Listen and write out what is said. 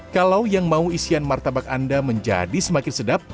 kalau yang mau isian martabak anda menjadi semakin sedap